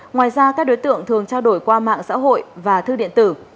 ngoài ra các đối tượng thường trao đổi qua mạng xã hội và thư điện tử